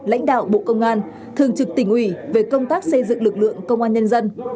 lãnh đạo bộ công an thường trực tỉnh ủy về công tác xây dựng lực lượng công an nhân dân